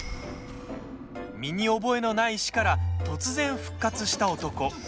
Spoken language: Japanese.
身に覚えのない死から突然、復活した男。